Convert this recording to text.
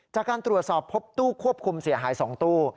จากการตรวจสอบพบตู้ควบคุมเสียหาย๒ตู้